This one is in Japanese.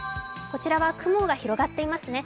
こちらは雲が広がっていますね。